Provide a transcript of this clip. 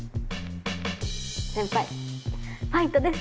先輩ファイトです。